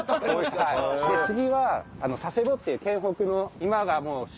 次は佐世保っていう県北の今が旬。